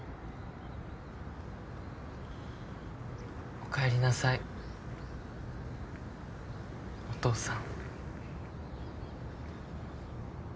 おかえりなさいお父さん。